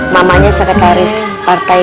mamanya sekretaris partai